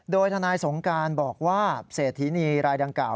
โดยทนายสงการบอกว่าเศรษฐีนีรายดังกล่าว